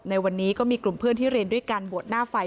ในวันนี้ก็มีกลุ่มเพื่อนที่เรียนด้วยการบวชหน้าไฟ